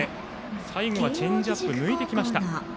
最後はチェンジアップ抜いてきました。